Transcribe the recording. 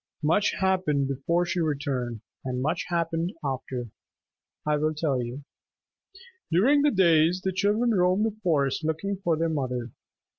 Much happened before she returned, and much happened after. I will tell you. During the days the children roamed the forest looking for their mother.